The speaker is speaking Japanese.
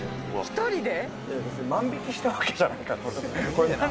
いや別に万引きしたわけじゃないから俺。